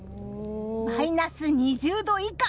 マイナス２０度以下。